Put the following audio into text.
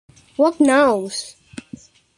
Who knows.